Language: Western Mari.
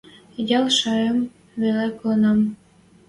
Йӓл шаям веле колынам.